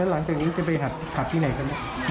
แล้วหลังจากนี้จะไปหัดขับที่ไหนกันนะ